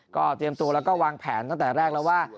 ก็เตรียมตัวแล้วก็วางแผนตั้งแต่แรกแล้วว่า